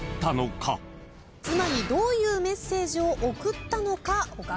妻にどういうメッセージを送ったのかお考えください。